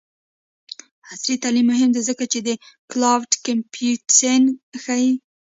عصري تعلیم مهم دی ځکه چې د کلاؤډ کمپیوټینګ ښيي.